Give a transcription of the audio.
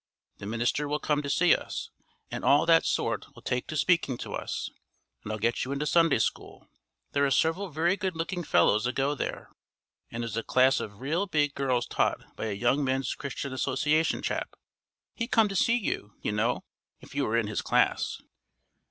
The minister will come to see us, and all that sort will take to speaking to us, and I'll get you into Sunday school. There are several very good looking fellows that go there, and there's a class of real big girls taught by a Young Men's Christian Association chap. He'd come to see you, you know, if you were in his class."